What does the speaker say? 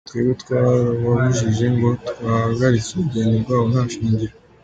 Kuvuga ngo twebwe twarababujije ngo twahagaritse urugendo rwabo nta shingiro.